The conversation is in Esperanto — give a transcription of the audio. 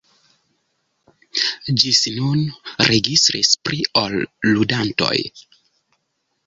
Ĝis nun registris pli ol ludantoj.